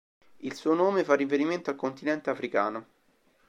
Il suo nome fa riferimento al continente africano.